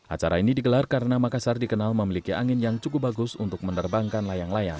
acara ini digelar karena makassar dikenal memiliki angin yang cukup bagus untuk menerbangkan layang layang